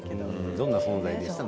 どんな存在でしたか？